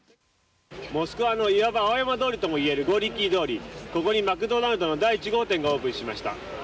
モスクワの青山通りとも言われるゴーリキー通りここにマクドナルドの第１号店がオープンしました。